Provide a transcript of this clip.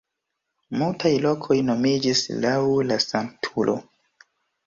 Multaj lokoj nomiĝis laŭ la sanktulo.